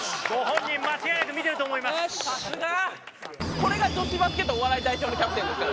これが女子バスケットお笑い代表のキャプテンですから。